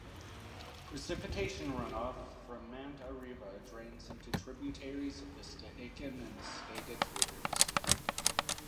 Precipitation runoff from Mount Arriva drains into tributaries of the Stehekin and Skagit Rivers.